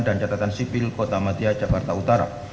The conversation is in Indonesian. dan catatan sipil kota madya jakarta utara